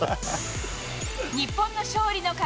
日本の勝利の鍵